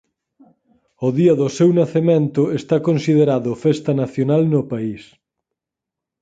O día do seu nacemento está considerado festa nacional no país.